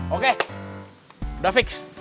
oke udah fix